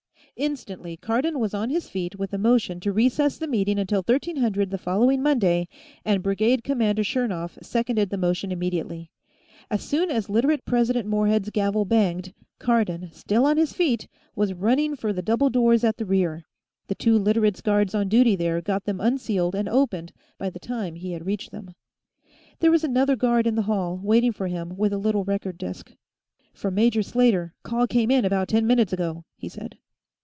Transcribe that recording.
Instantly, Cardon was on his feet with a motion to recess the meeting until 1300 the following Monday, and Brigade commander Chernov seconded the motion immediately. As soon as Literate President Morehead's gavel banged, Cardon, still on his feet, was running for the double doors at the rear; the two Literates' guards on duty there got them unsealed and opened by the time he had reached them. There was another guard in the hall, waiting for him with a little record disk. "From Major Slater; call came in about ten minutes ago," he said.